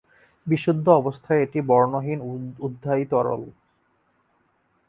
বিশুদ্ধ অবস্থায় এটি বর্ণহীন উদ্বায়ী তরল।